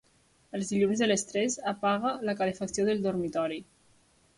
Els dilluns a les tres apaga la calefacció del dormitori.